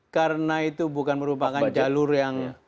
karena itu bukan merupakan jalur yang